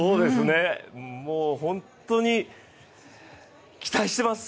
もう本当に、期待してます。